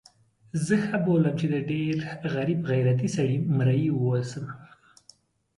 زه ښه بولم چې د ډېر غریب غیرتي سړي مریی اوسم.